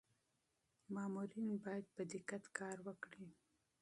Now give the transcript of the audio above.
مامورین باید په دقت کار وکړي.